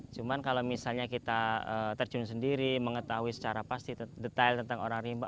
cuma kalau misalnya kita terjun sendiri mengetahui secara pasti detail tentang orang rimba